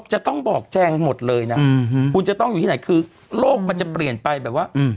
จะต้องบอกแจงหมดเลยนะคุณจะต้องอยู่ที่ไหนคือโลกมันจะเปลี่ยนไปแบบว่า